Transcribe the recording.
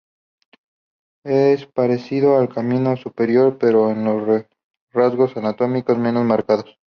Es parecido al canino superior pero con los rasgos anatómicos menos marcados.